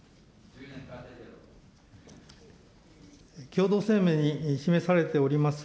共同声明に示されております